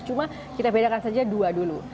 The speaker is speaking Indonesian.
cuma kita bedakan saja dua dulu